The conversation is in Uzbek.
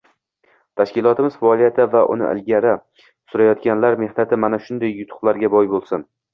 Tashkilotimiz faoliyati va uni ilgari surayotganlar mehnati mana shunday yutuqlarga boy bo'lsin.